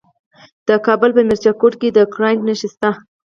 د کابل په میربچه کوټ کې د ګرانیټ نښې شته.